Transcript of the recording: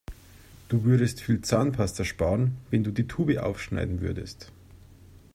Du würdest viel Zahnpasta sparen, wenn du die Tube aufschneiden würdest.